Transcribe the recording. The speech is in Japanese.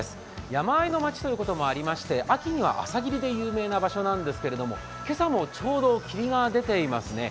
山あいの町ということもありまして、秋には朝霧で有名な場所なんですけれども、今朝もちょうど霧が出ていますね。